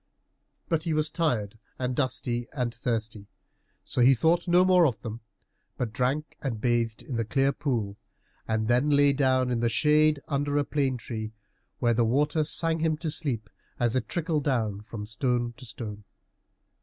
But he was tired and dusty and thirsty, so he thought no more of them, but drank and bathed in the clear pool, and then lay down in the shade under a plane tree, while the water sang him to sleep as it trickled down from stone to stone.